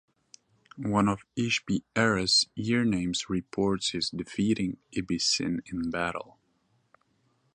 One of Ishbi-Erra's year names reports his defeating Ibbi-Sin in battle.